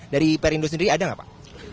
dari perindo sendiri ada nggak pak